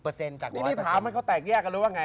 พี่ถามให้เขาแตกแยกกันเลยว่าไง